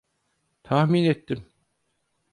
Tahmin ettim.